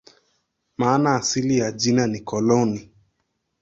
Maana asili ya jina ni "koloni".